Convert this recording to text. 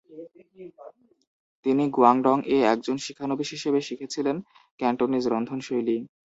তিনি গুয়াংডং-এ একজন শিক্ষানবিশ হিসেবে শিখেছিলেন ক্যান্টোনিজ রন্ধনশৈলী।